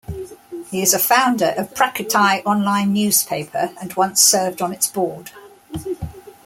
He is a founder of "Prachatai" online newspaper and once served on its board.